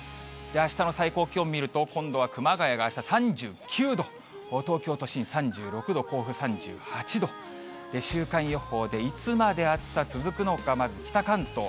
あしたの最高気温見ると、今度は熊谷があした３９度、東京都心３６度、甲府３８度、週間予報でいつまで暑さ続くのか、まず北関東。